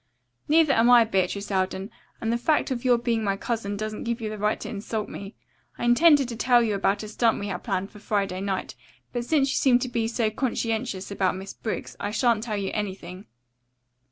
"Neither am I, Beatrice Alden, and the fact of your being my cousin doesn't give you the right to insult me. I intended to tell you about a stunt we had planned for Friday night, but since you seem to be so conscientious about Miss Briggs, I shan't tell you anything."